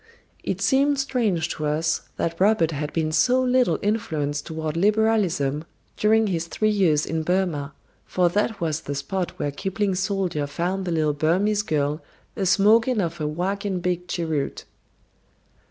It seemed strange to us that Robert had been so little influenced toward liberalism during his three years in Burma, for that was the spot where Kipling's soldier found the little Burmese girl "a smokin' of a whackin' big cheeroot."